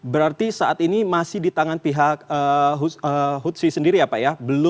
berarti saat ini masih di tangan pihak hutsi sendiri ya pak ya